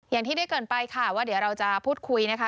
อย่างที่ได้เกินไปค่ะว่าเดี๋ยวเราจะพูดคุยนะคะ